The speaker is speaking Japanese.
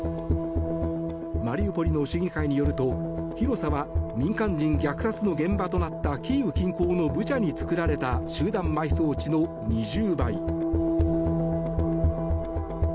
マリウポリの市議会によると広さは民間人虐殺の現場となったキーウ近郊のブチャに作られた集団埋葬地の２０倍。